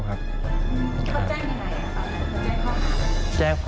อันดับสุดท้ายของพี่รัตติว